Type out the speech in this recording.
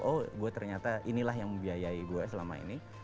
oh gue ternyata inilah yang membiayai gue selama ini